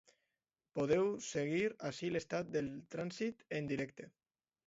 Podeu seguir ací l’estat del trànsit en directe.